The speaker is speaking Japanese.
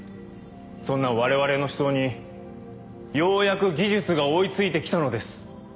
そんな我々の思想にようやく技術が追い付いて来たのです。